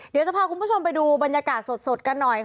เดี๋ยวจะพาคุณผู้ชมไปดูบรรยากาศสดกันหน่อยค่ะ